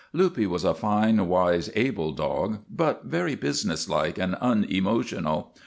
Luppe was a fine, wise, able dog, but very businesslike and unemotional.